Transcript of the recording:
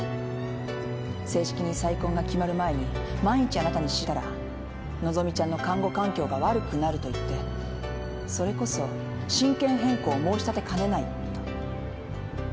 正式に再婚が決まる前に万一あなたに知れたら和希ちゃんの監護環境が悪くなると言ってそれこそ親権変更申し立てかねないと。